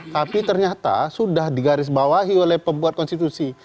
tapi ternyata sudah digarisbawahi oleh pembuat konstitusi